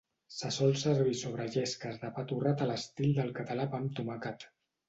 Se sol servir sobre llesques de pa torrat a l'estil del català pa amb tomàquet.